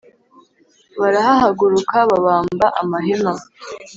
Barahahaguruka babamba amahema